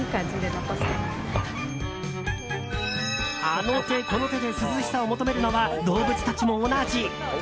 あの手この手で涼しさを求めるのは動物たちも同じ。